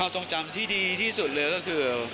สนุกภาพที่ดีที่สุดเลยคือ